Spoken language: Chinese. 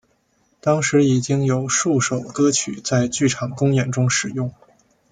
当时已经有数首歌曲在剧场公演中使用。